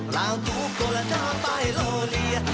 เราทุกคนจะชอบไปโลเวีย